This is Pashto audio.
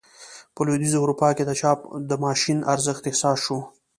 په لوېدیځه اروپا کې د چاپ د ماشین ارزښت احساس شو.